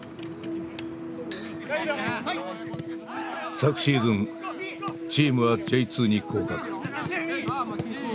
昨シーズンチームはＪ２に降格。